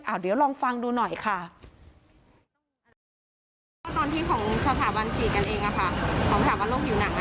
อ่าเดี๋ยวลองฟังดูหน่อยค่ะตอนที่ของประสาทบันฉีดกันเองอ่ะค่ะ